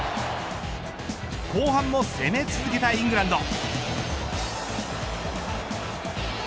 後半も攻め続けたイングランド。